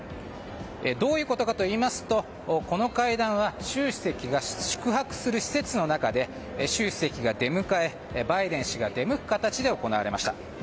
どういうことかといいますとこの会談は習主席が宿泊する施設の中で習主席が出迎えバイデン氏が出向く形で行われました。